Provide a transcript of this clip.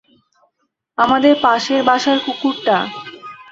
আমাদের পাশের বাসার কুকুরটা।